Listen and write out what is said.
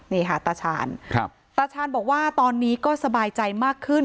นี่ค่ะตาชาญตาชาญบอกว่าตอนนี้ก็สบายใจมากขึ้น